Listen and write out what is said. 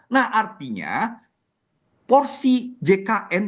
nah artinya porsi jkn dengan bontok